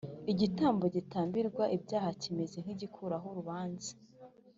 Igitambo gitambirwa ibyaha kimeze n’igikuraho urubanza